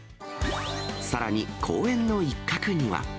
さらに、公園の一角には。